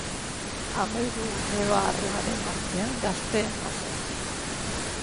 Hamahiru neba-arrebaren artean gazteena zen.